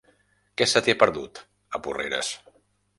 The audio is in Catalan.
Què se t'hi ha perdut, a Porreres?